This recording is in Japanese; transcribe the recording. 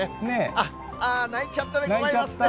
あっ、泣いちゃった子もいますね。